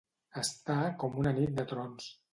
Estar com una nit de trons.